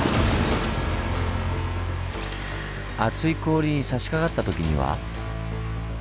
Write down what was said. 厚い氷にさしかかったときには。